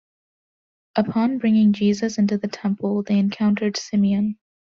Upon bringing Jesus into the temple, they encountered Simeon.